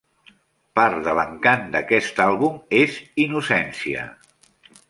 Part de l'encant d'aquest àlbum és innocència.